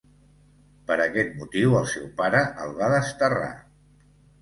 Per aquest motiu el seu pare el va desterrar.